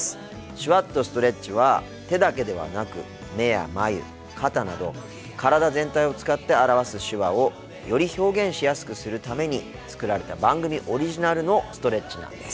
「手話っとストレッチ」は手だけではなく目や眉肩など体全体を使って表す手話をより表現しやすくするために作られた番組オリジナルのストレッチなんです。